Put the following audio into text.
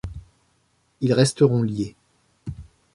Ils resteront liés.